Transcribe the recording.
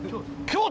今日？